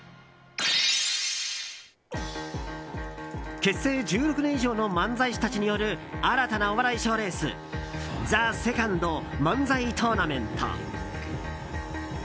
結成１６年以上の漫才師たちによる新たなお笑い賞レース「ＴＨＥＳＥＣＯＮＤ漫才トーナメント」。